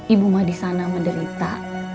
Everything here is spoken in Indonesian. ibu mah disana menderita